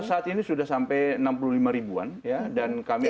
saat ini sudah sampai enam puluh lima ribuan ya dan kami ada